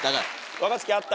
若槻あった？